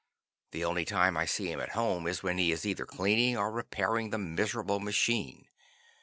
The only time I see him at home is when he is either cleaning or repairing the miserable machine.